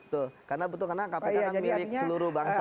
betul karena kpk kan milik seluruh bangsa